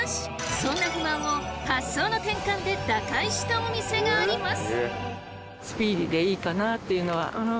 そんな不満を発想の転換で打開したお店があります。